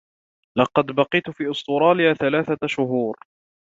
لقد بقيت في أستراليا ثلاث شهور.